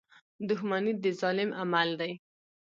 • دښمني د ظالم عمل دی.